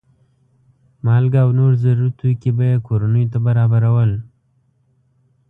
مالګه او نور ضروري توکي به یې کورنیو ته برابرول.